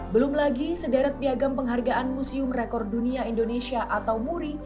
belum lagi sederet piagam penghargaan museum rekor dunia indonesia atau muri